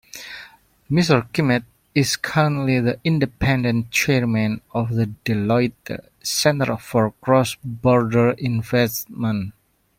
Mr. Kimmitt is currently the independent chairman of the Deloitte Center for Cross-Border Investment.